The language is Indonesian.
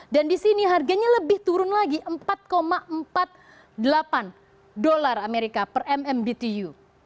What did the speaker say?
dan di sini harganya lebih turun lagi empat empat puluh delapan dolar amerika per mm btu